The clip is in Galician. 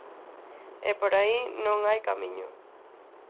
E por aí non hai camiño.